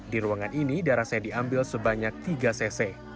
di ruangan ini darah saya diambil sebanyak tiga cc